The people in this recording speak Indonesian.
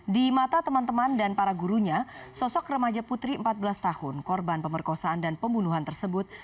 di mata teman teman dan para gurunya sosok remaja putri empat belas tahun korban pemerkosaan dan pembunuhan tersebut